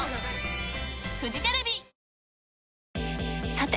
さて！